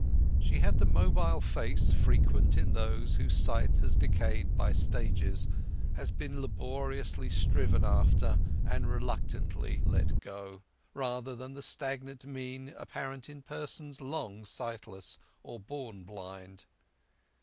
She had the mobile face frequent in those whose sight has decayed by stages, has been laboriously striven after, and reluctantly let go, rather than the stagnant mien apparent in persons long sightless or born blind.